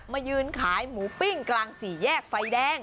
มายืนขายหมูปิ้งกลางสี่แยกไฟแดง